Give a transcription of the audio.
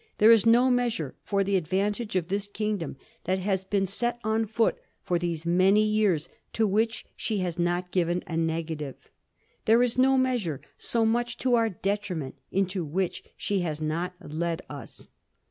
There is no measure for the advantage of this kingdom that has been set on foot for these many years to which she has not given a negative. There is no measure so much to our detriment into which she has not led us."